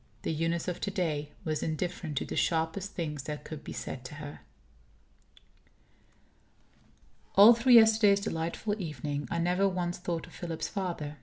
The Eunice of to day was indifferent to the sharpest things that could be said to her. ....... All through yesterday's delightful evening, I never once thought of Philip's father.